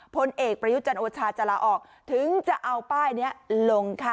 พลเอกประยุจันทร์โอชาจะลาออกถึงจะเอาป้ายนี้ลงค่ะ